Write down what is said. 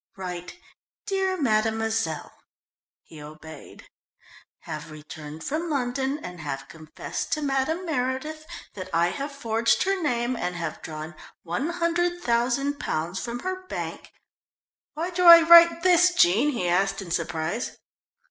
"Write, 'Dear Mademoiselle'." He obeyed. "'_have returned from London, and have confessed to Madame Meredith that I have forged her name and have drawn £100,000 from her bank _'" "Why do I write this, Jean?" he asked in surprise.